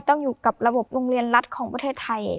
ต้องอยู่กับระบบโรงเรียนรัฐของประเทศไทย